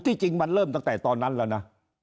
จริงมันเริ่มตั้งแต่ตอนนั้นแล้วนะ